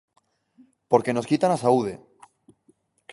Porque nos quitan a saúde.